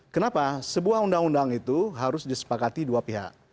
kenapa sebuah undang undang itu harus disepakati dua pihak